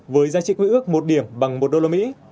với giá trị quý ước một điểm bằng một đô la mỹ